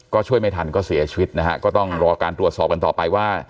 ก็ช่วยไม่ทันก็เสียชีวิตนะฮะก็ต้องรอการตรวจสอบกันต่อไปว่า